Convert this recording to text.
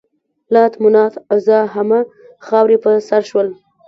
لات، منات، عزا همه خاورې په سر شول.